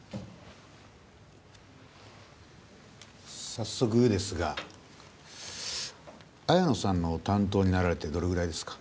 早速ですが綾野さんの担当になられてどれぐらいですか？